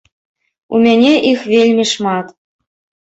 У мяне іх вельмі шмат!